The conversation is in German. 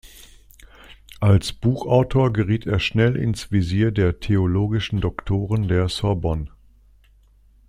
Als Buchautor geriet er schnell ins Visier der theologischen Doktoren der Sorbonne.